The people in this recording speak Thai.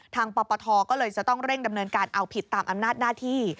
ปปทก็เลยจะต้องเร่งดำเนินการเอาผิดตามอำนาจหน้าที่